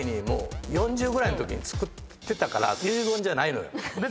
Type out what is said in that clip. もう４０ぐらいのときに作ってたから遺言じゃないのよ。